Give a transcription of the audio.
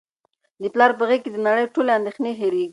د پلار په غیږ کي د نړۍ ټولې اندېښنې هیرېږي.